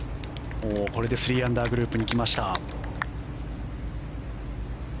これで３アンダーグループに来ました。